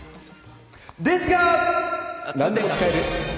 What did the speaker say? ですが。